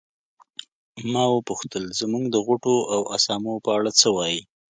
ما وپوښتل زموږ د غوټو او اسامو په اړه څه وایې.